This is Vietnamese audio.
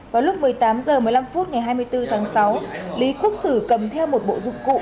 vào lúc một mươi tám h một mươi năm phút ngày hai mươi bốn tháng sáu lý quốc sử cầm theo một bộ dụng cụ